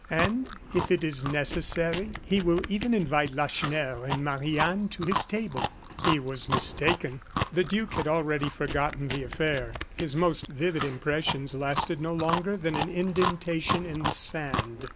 And if it is necessary, he will even invite Lacheneur and Marie Anne to his table." He was mistaken. The duke had already forgotten the affair; his most vivid impressions lasted no longer than an indentation in the sand.